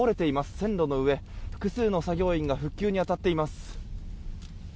線路の上、複数の作業員が復旧に当たっています。